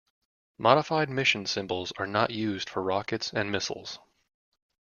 Modified mission symbols are not used for rockets and missiles.